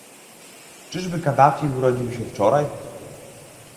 Czyżby Kaddafi urodził się wczoraj?